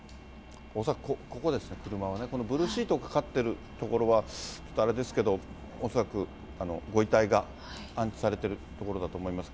恐らくここですね、車がね、このブルーシートがかかってる所はちょっとあれですけど、恐らく、ご遺体が安置されてる所だと思います。